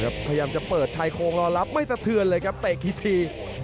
พยายามจะเปิดชายโครงรอรับไม่สะเทือนเลยครับเตะกี่ที